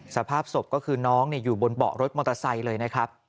สภาพศพก็คือน้องอยู่บนเบาะรถมอเตอร์ไซค์เลยนะครับ